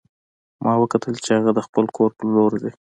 ما وکتل چې هغه د خپل کور په لور ځي